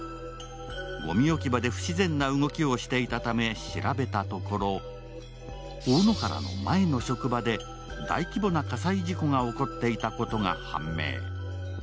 ごみ置き場で不自然な動きをしていたため調べたところ大野原の前の職場で大規模な火災事故が起こっていたことが判明。